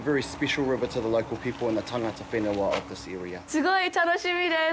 すごい楽しみです。